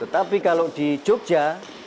tetapi kalau di jogja